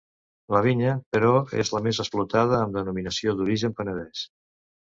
La vinya, però és la més explotada amb denominació d'origen Penedès.